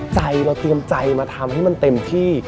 ใจเราเตรียมใจมาทำให้มันเต็มที่